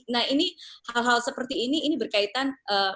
nah ini hal hal seperti ini ini berkaitan